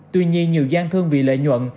tuy nhiên nhiều gian thương vì lợi nhuận